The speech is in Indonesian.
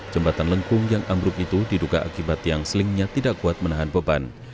jembatan lengkung yang ambruk itu diduga akibat yang selingnya tidak kuat menahan beban